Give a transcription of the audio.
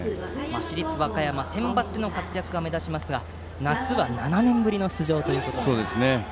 市立和歌山はセンバツの活躍が目立ちますが夏は７年ぶりの出場です。